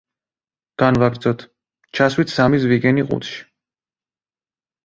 განვაგრძოთ: ჩასვით სამი ზვიგენი ყუთში.